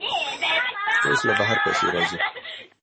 اوس له بهر پیسې راځي.